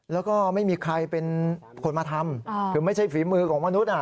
แล้วก็ไม่มีใครเป็นคนมาทำคือไม่ใช่ฝีมือของมนุษย์